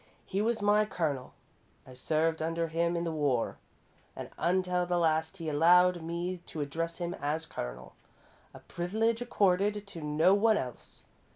He was my Colonel I served under him in the war and until the last, he allowed me to address him as Colonel a privilege accorded to no one else.